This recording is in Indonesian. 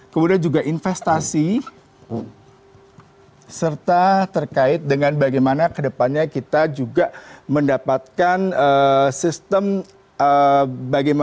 kemudian juga investasi serta terkait dengan bagaimana kedepannya kita juga mendapatkan sistem bagaimana